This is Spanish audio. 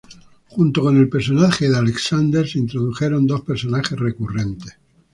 Junto con el personaje de Alexander, se introdujeron dos personajes recurrentes.